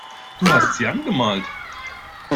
Du hast sie angemalt.